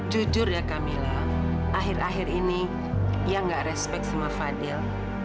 jujur ya camilla akhir akhir ini ya gak respect sama fadil